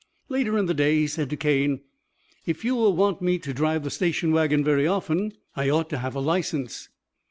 Later in the day he said to Cane: "If you will want me to drive the station wagon very often, I ought to have a license."